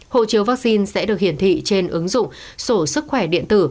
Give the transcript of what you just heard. hộ chiếu vaccine sẽ được hiển thị trên ứng dụng sổ sức khỏe điện tử